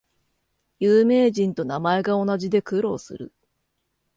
有名人と名前が同じで苦労する